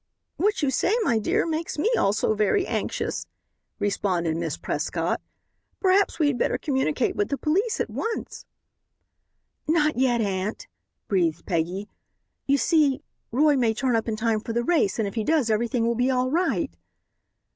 "What you say, my dear, makes me also very anxious," responded Miss Prescott. "Perhaps we had better communicate with the police at once." "Not yet, aunt," breathed Peggy; "you see, Roy may turn up in time for the race, and if he does, everything will be all right."